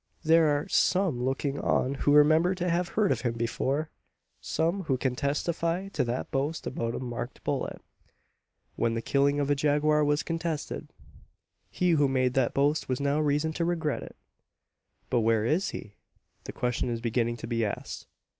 There are some looking on who remember to have heard of them before. Some who can testify to that boast about a marked bullet when the killing of the jaguar was contested! He who made that boast has now reason to regret it! "But where is he?" The question is beginning to be asked.